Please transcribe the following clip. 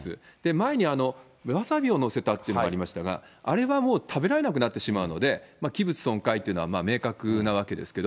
前にわさびを載せたというのがありましたが、あれはもう、食べられなくなってしまうので、器物損壊っていうのは明確なわけですけど。